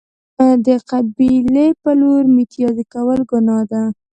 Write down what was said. د قبلې په لور میتیاز کول گناه ده.